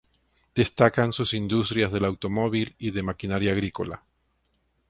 Destacan sus industrias del automóvil y de maquinaria agrícola.